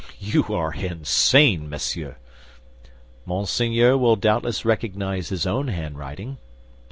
You are insane, monsieur." "Monseigneur will doubtless recognize his own handwriting."